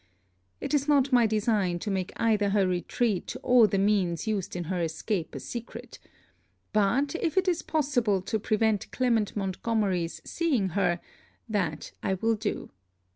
It is not my design to make either her retreat or the means used in her escape a secret; but, if it is possible to prevent Clement Montgomery's seeing her, that I will do.